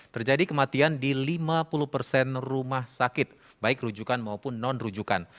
terjadi kematian di lima puluh persen rumah sakit baik rujukan maupun non rujukan